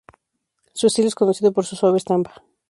Su estilo es conocido por su suave estampa.